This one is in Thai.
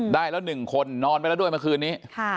ได้แล้ว๑คนนอนไปแล้วด้วยเมื่อคืนนี้